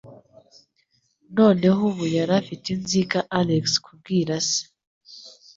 Noneho ubu yari afite inzika Alex kubwira se.